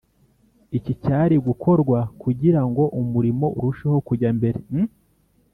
Iki cyari gukorwa kugira ngo umurimo urusheho kujya mbere